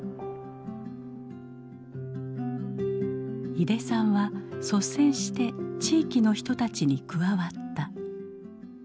井手さんは率先して地域の人たちに加わった。